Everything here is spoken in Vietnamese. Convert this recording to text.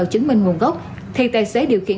chứng minh nguồn gốc thì tài xế điều khiển